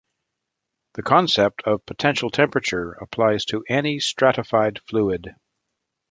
The concept of potential temperature applies to any stratified fluid.